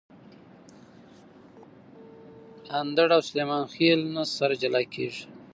اندړ او سلیمان خېل نه سره جلاکیږي